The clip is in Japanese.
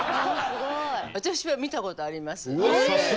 私は見たことあります。